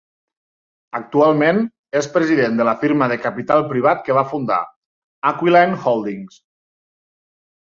Actualment és president de la firma de capital privat que va fundar, Aquiline Holdings.